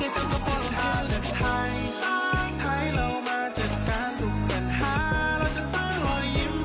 แหล่งพระวันของแม่ของประเทศไทย